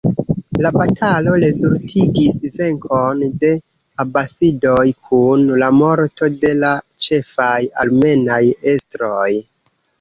La batalo rezultigis venkon de abasidoj, kun la morto de la ĉefaj armenaj estroj.